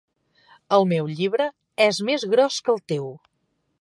El meu llibre és més gros que el teu.